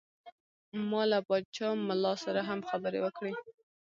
ما له پاچا ملا سره هم خبرې وکړې.